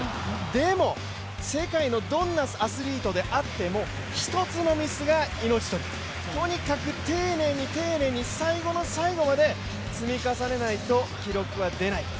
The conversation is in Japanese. でも、世界のどんなアスリートであっても一つのミスが命取り、とにかく丁寧に丁寧に最後の最後まで積み重ねないと記録は出ないと。